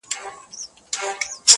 غرونه او فضا ورته د خپل درد برخه ښکاري,